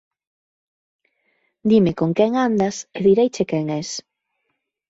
Dime con quen andas e direiche quen es.